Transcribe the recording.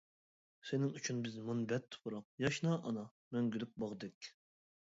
سېنىڭ ئۈچۈن بىز مۇنبەت تۇپراق، ياشنا ئانا، مەڭگۈلۈك باغدەك.